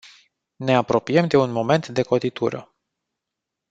Ne apropiem de un moment de cotitură.